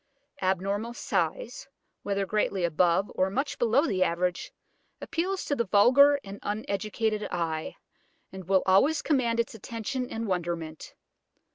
Abnormal size, whether greatly above or much below the average, appeals to the vulgar and uneducated eye, and will always command its attention and wonderment.